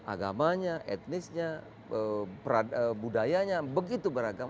agamanya etnisnya budayanya begitu beragam